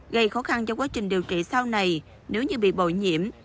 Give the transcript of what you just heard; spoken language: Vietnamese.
gây khó khăn cho quá trình điều trị sau này nếu như bị bội nhiễm